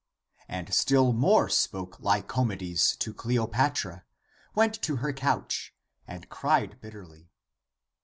And still more spoke Lycomedes to Cleo patra, went to her couch, and cried bitterly.